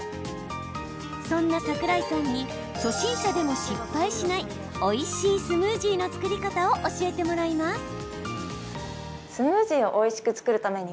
そんな櫻井さんに初心者でも失敗しないおいしいスムージーの作り方を教えてもらいます。